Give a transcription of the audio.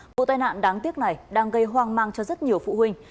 vụ tai nạn đáng tiếc này đang gây hoang mang cho rất nhiều phụ huynh